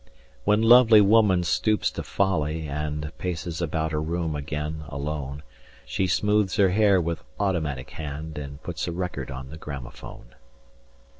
When lovely woman stoops to folly and Paces about her room again, alone, She smoothes her hair with automatic hand, 255 And puts a record on the gramophone.